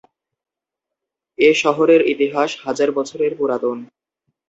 এ শহরের ইতিহাস হাজার বছরের পুরাতন।